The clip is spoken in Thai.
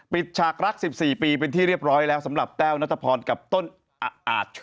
ฉากรัก๑๔ปีเป็นที่เรียบร้อยแล้วสำหรับแต้วนัทพรกับต้นอาจ